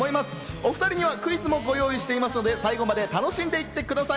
お２人にはクイズもご用意していますので、最後まで楽しんでいってください。